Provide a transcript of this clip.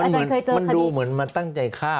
มันดูเหมือนมันตั้งใจฆ่า